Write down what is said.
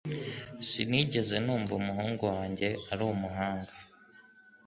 Sinigeze numva umuhungu wanjye uri mu mahanga